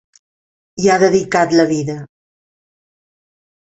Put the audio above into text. Hi ha dedicat la vida.